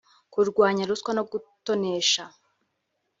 kurwanya ruswa no gutonesha